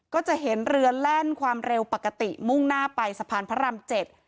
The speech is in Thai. ก็จะเห็นเรือแล่นความเร็วปกติมุ่งหน้าไปสะพานพระรามเจ็ด